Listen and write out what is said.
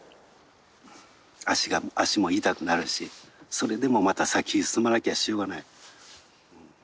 足も痛くなるしそれでもまた先へ進まなきゃしょうがない。